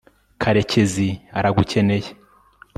karekezi aragukeneye